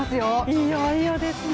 いよいよですね。